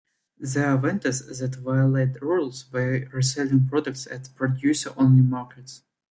There are vendors that violate rules by reselling products at Producer Only markets.